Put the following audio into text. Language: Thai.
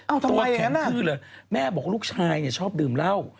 อ้าวทำไมอย่างงั้นอ่ะตัวแข็งทื้อเลยแม่บอกลูกชายเนี้ยชอบดื่มเล่า